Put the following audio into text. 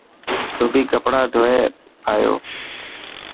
ڌوٻي ڪپڙا ڌوئي آيو.